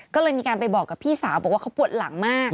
ก็เลยมีการไปบอกกับพี่สาวบอกว่าเขาปวดหลังมาก